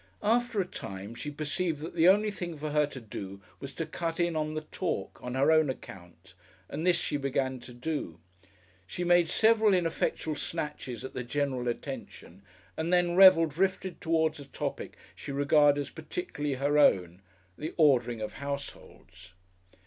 After a time she perceived that the only thing for her to do was to cut in on the talk, on her own account, and this she began to do. She made several ineffectual snatches at the general attention and then Revel drifted towards a topic she regarded as particularly her own, the ordering of households.